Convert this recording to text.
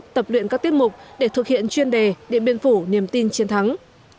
tập luyện các tiết mục để thực hiện chuyên đề điện biên phủ niềm tin chiến thắng